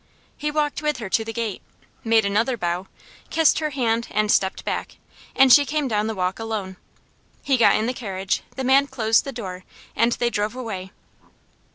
He walked with her to the gate, made another bow, kissed her hand, and stepped back, and she came down the walk alone. He got in the carriage, the man closed the door, and they drove away.